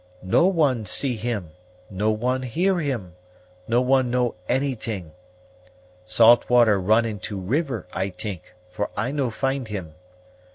No one see him; no one hear him; no one know anyt'ing. Saltwater run into river, I t'ink, for I no find him.